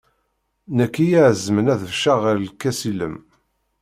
Nekk i iɛezmen ad becceɣ ɣer lkas ilem.